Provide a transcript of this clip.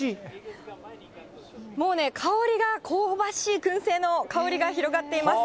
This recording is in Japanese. もうね、香りが香ばしい、くん製の香りが広がっています。